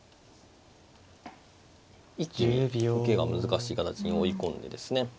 一気に受けが難しい形に追い込んでですね。